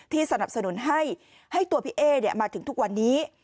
สนับสนุนให้ตัวพี่เอ๊มาถึงทุกวันนี้